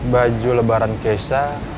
baju lebaran keisha